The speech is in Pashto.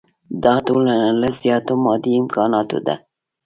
دا ټولنه له زیاتو مادي امکاناتو ده.